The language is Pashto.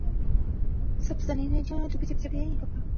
سحور او روژه ماتي د انرژۍ اصلي سرچینه ده.